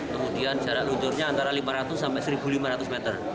kemudian jarak luncurnya antara lima ratus sampai satu lima ratus meter